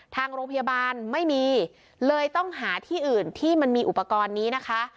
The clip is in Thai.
ทางโรงพยาบาลไม่มีเลยต้องหาที่อื่นที่มันมีอุปกรณ์นี้นะคะ